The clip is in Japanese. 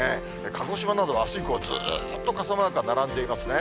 鹿児島などはあす以降、ずっと傘マークが並んでいますね。